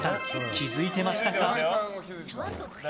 気づいてましたよ！